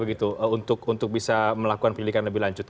kira kira begitu untuk bisa melakukan penyelidikan lebih lanjut